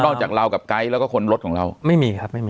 จากเรากับไกด์แล้วก็คนรถของเราไม่มีครับไม่มี